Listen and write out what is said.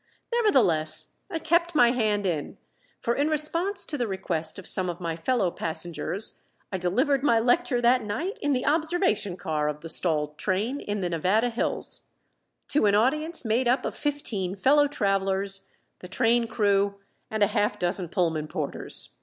Nevertheless I kept my hand in; for in response to the request of some of my fellow passengers I delivered my lecture that night in the observation car of the stalled train in the Nevada hills, to an audience made up of fifteen fellow travelers, the train crew, and a half dozen Pullman porters.